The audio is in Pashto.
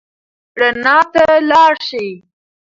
رڼا ته لاړ شئ.